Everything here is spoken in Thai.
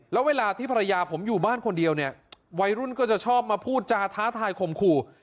แล้วเวลาที่ภรรยาผมอยู่บ้านคนเดียวเนี่ยวัยรุ่นก็จะชอบมาพูดจาท้าทายข่มขู่